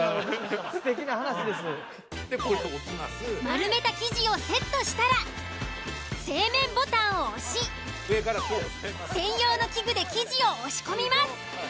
丸めた生地をセットしたら「製麺」ボタンを押し専用の器具で生地を押し込みます。